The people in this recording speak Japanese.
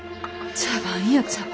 茶番や茶番。